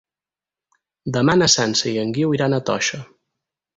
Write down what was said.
Demà na Sança i en Guiu iran a Toixa.